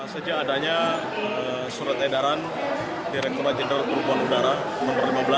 sejak adanya surat edaran direkturat jenderal perhubungan udara nomor lima belas